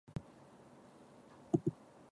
Posa'm en contacte amb el pare.